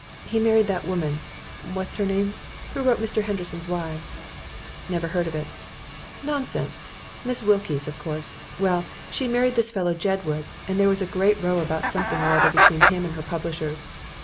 He married that woman what's her name? Who wrote "Mr Henderson's Wives"?' 'Never heard of it.' 'Nonsense! Miss Wilkes, of course. Well, she married this fellow Jedwood, and there was a great row about something or other between him and her publishers.